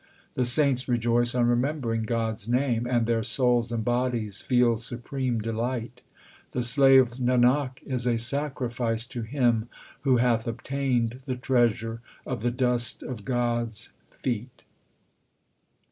The saints rejoice on remembering God s name, And their souls and bodies feel supreme delight. The slave Nanak is a sacrifice to him Who hath obtained the treasure of the dust of God s feet.